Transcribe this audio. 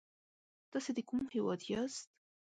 تاسې د کوم هيواد ياست؟